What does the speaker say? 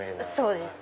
そうです。